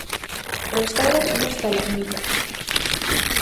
Restauran unha estalagmita.